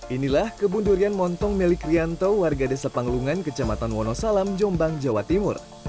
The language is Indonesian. inilah kebun durian montong milik rianto warga desa panglungan kecamatan wonosalam jombang jawa timur